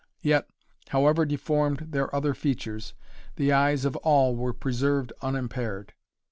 Yet, however deformed their other features, the eyes of all were preserved unimpaired.